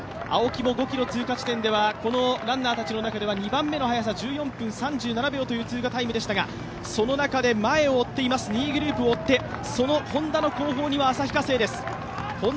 青木も５ｋｍ通過地点ではこのランナーたちの中では２番目の速さ、１４分３７秒という通過タイムでしたが、その中で前を追っています、２位グループを追って、そのＨｏｎｄａの後方には旭化成です。